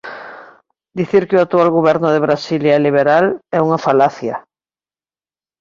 Dicir que o actual goberno de Brasília é liberal é unha falacia.